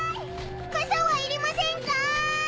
かさは要りませんかー？